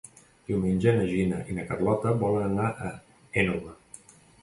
Diumenge na Gina i na Carlota volen anar a l'Énova.